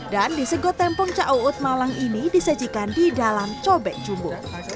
dan disegot tempong caout malang ini disajikan di dalam cobek jumbo